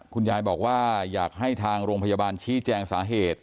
คุณยายบอกว่าอยากให้ทางโรงพยาบาลชี้แจงสาเหตุ